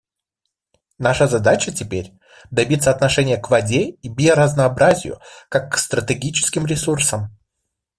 Наша задача теперь — добиться отношения к воде и биоразнообразию как к стратегическим ресурсам.